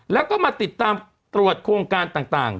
แล้วก็มาติดตามตรวจโครงการต่าง